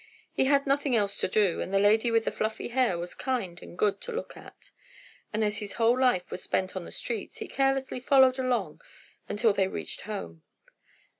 He had nothing else to do, and the lady with the fluffy hair was kind and good to look at, and as his whole life was spent on the streets, he carelessly followed along until they reached home.